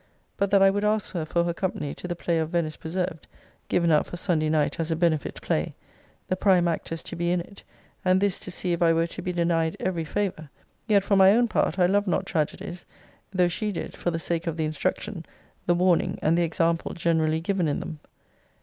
But that I would ask her for her company to the play of Venice Preserved, given out for Sunday night as a benefit play; the prime actors to be in it; and this, to see if I were to be denied every favour. Yet, for my own part, I loved not tragedies; though she did, for the sake of the instruction, the warning, and the example generally given in them.